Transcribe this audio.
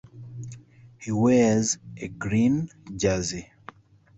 He wears a "Green Jersey".